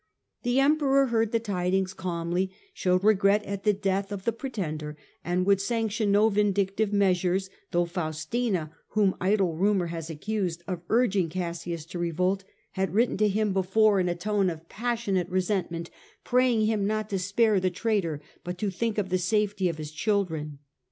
The Emperor heard the tidings Emperor calmly, showed regret at the death of the tinSctivT pretender, and would sanction no vindictive measures, though Faustina, whom idle rumour has accused of urging Cassius to revolt, had written to him before in a tone of passionate resentment, praying him not to spare the traitor, but to think of the safety of his children.